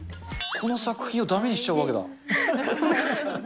この作品をだめにしちゃうわけだ。